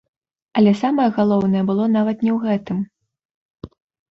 Але самае галоўнае было нават не ў гэтым.